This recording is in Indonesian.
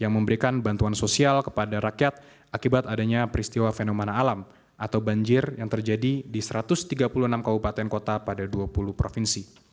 yang memberikan bantuan sosial kepada rakyat akibat adanya peristiwa fenomena alam atau banjir yang terjadi di satu ratus tiga puluh enam kabupaten kota pada dua puluh provinsi